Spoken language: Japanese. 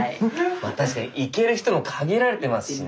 まあ確かに行ける人も限られてますしね。